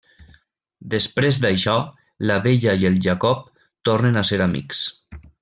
Després d'això la Bella i el Jacob tornen a ser amics.